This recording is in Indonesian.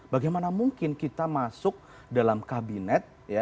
bagaimana mungkin kita masuk dalam kabinet